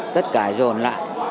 tất cả dồn lại